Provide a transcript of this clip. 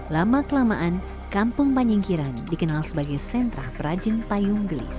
lama kelamaan kampung panyingkiran dikenal sebagai sentra perajin payung gelis